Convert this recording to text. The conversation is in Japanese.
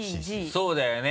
そうだよね。